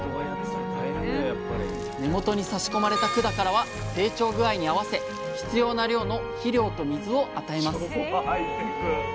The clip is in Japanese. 根元にさし込まれた管からは成長具合に合わせ必要な量の肥料と水を与えます。